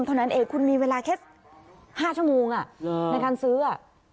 เท่านั้นเองคุณมีเวลาแค่๕ชั่วโมงในการซื้อ